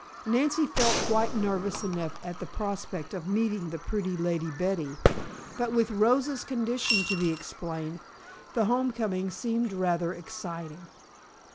Nancy felt quite nervous enough at the prospect of meeting the pretty Lady Betty, but with Rosa's condition to be explained, the home coming seemed rather exciting.